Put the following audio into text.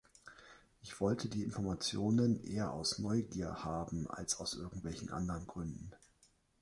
Ich wollte die Informationen eher aus Neugier haben, als aus irgendwelchen anderen Gründen.